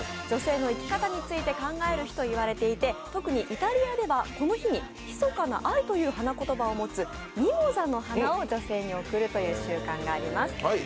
女性の生き方について考える日と言われていて、特にイタリアではこの日に密かな愛という花言葉を持つミモザの花を女性に贈るという習慣があります。